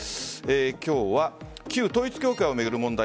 今日は旧統一教会を巡る問題。